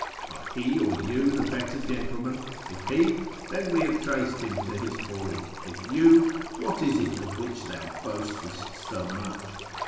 Are he or you the better gentleman? If he, then we have traced him to his form. If you, what is it of which thou boastest so much?